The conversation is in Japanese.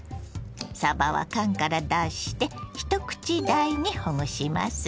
さばは缶から出して１口大にほぐします。